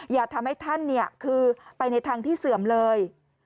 อย่าทำให้ท่านคือไปในทางที่เสื่อมเลย